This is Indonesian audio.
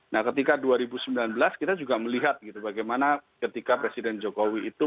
nah ketika dua ribu sembilan belas kita juga melihat gitu bagaimana ketika presiden jokowi itu